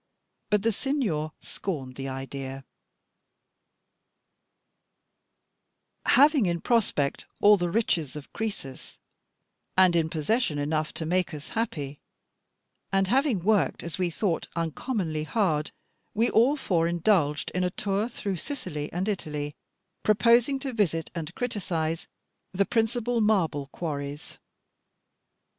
But the Signor scorned the idea. Having in prospect all the riches of Croesus, and in possession enough to make us happy, and having worked, as we thought, uncommonly hard, we all four indulged in a tour through Sicily and Italy, proposing to visit and criticise the principal marble quarries.